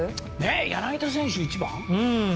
柳田選手１番？